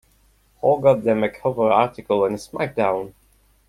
Hall got them a cover article in SmackDown!